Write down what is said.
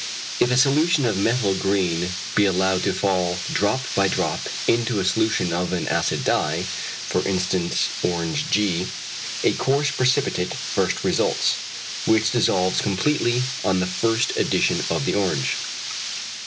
If a solution of methyl green be allowed to fall drop by drop into a solution of an acid dye, for instance orange g., a coarse precipitate first results, which dissolves completely on the further addition of the orange.